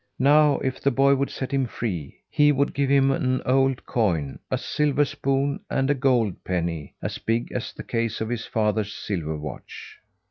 Now, if the boy would set him free, he would give him an old coin, a silver spoon, and a gold penny, as big as the case on his father's silver watch.